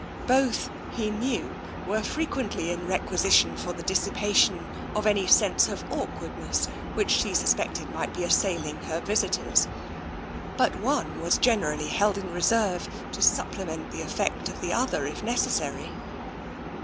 Both, he knew, were frequently in requisition for the dissipation of any sense of awkwardness which she suspected might be assailing her visitors, but one was generally held in reserve to supplement the effect of the other if necessary.